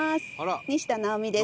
「西田尚美です。